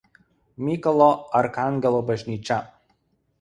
Mykolo Arkangelo bažnyčia.